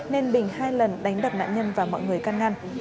nên bình hai lần đánh đập nạn nhân và mọi người căn ngăn